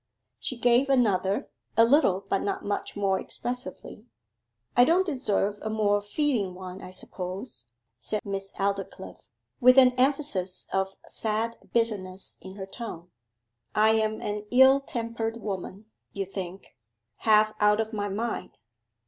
She gave another, a little but not much more expressively. 'I don't deserve a more feeling one, I suppose,' said Miss Aldclyffe, with an emphasis of sad bitterness in her tone. 'I am an ill tempered woman, you think; half out of my mind.